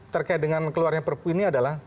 terkait dengan keluarnya perpu ini adalah